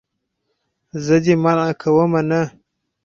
زه دې منع کومه نه.